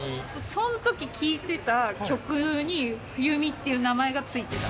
そのとき聴いてた曲に、冬美っていう名前が付いてた。